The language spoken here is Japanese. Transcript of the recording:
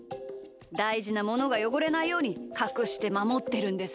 だいじなものがよごれないようにかくしてまもってるんです。